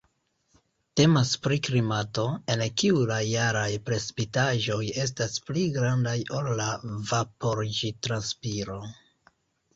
Temas pri klimato, en kiu la jaraj precipitaĵoj estas pli grandaj ol la vaporiĝ-transpiro.